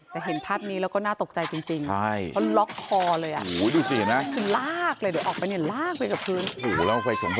แต่เห็นภาพนี้เราก็น่าตกใจจริง